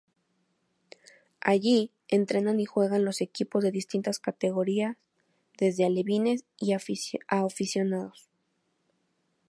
Allí entrenan y juegan los equipos de distintas categorías, desde alevines a aficionados.